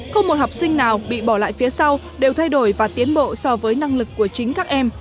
không một học sinh nào bị bỏ lại phía sau đều thay đổi và tiến bộ so với năng lực của chính các em